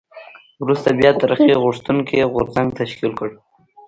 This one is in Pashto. وروسته بیا ترقي غوښتونکی غورځنګ تشکیل کړ.